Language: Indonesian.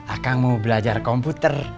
akang mau belajar komputer